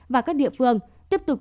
và các địa phương tiếp tục